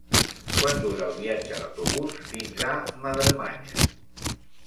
Quant dura el viatge en autobús fins a Madremanya?